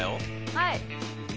はい。